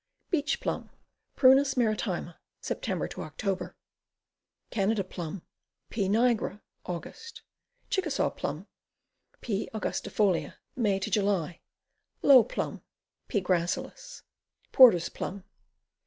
Beach Plum. Prunus maritima. Sep. Oct. Canada Plum. P. nigra. Aug. Chickasaw Plum. P. angusiifolia. May July. Low Plum. P. gracilis. Porter's Plum.